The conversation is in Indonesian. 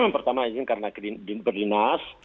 pertama izin karena berdinas